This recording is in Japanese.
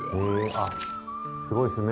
あっすごいですね